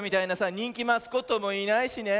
にんきマスコットもいないしね。